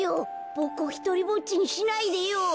ボクをひとりぼっちにしないでよ。